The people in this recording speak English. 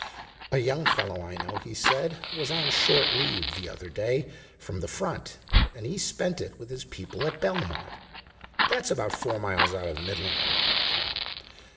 "A young fellow I know," he said, "was on short leave the other day from the front, and he spent it with his people at Belmont—that's about four miles out of Midlingham, you know.